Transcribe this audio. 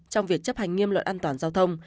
trong việc chấp hành nghiêm luật an toàn giao thông